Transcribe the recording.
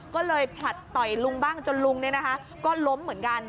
ก็เลยผลัดต่อยลุงบ้างจนลุงก็ล้มเหมือนกัน